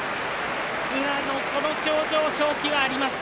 宇良のこの表情勝機はありました。